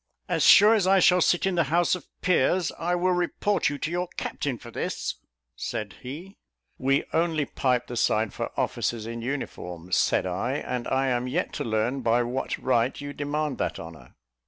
"As sure as I shall sit in the House of Peers, I will report you to your captain for this," said he. "We only pipe the side for officers in uniform," said I; "and I am yet to learn by what right you demand that honour."